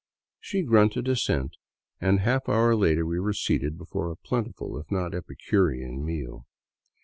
" She grunted assent and a half hour later we were seated before a plentiful, if not epicurean, meal.